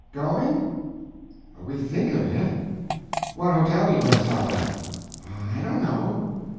"Going?" "We think of it." "What hotel you going to stop at?" "I don't know."